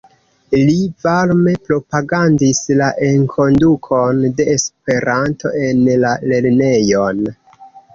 Li varme propagandis la enkondukon de Esperanto en la lernejon.